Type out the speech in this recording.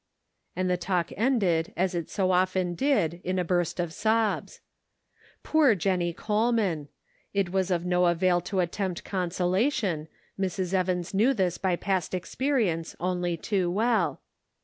And the talk ended as it so often did in a burst of sobs. Poor Jennie Coleman ! It was of no avail to attempt consolation, Mrs. '•'•Good Measure" 513 Evans knew this by past experience only too well.